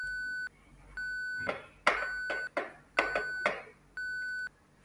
Its episcopal see is a Saint George cathedral in Luxor.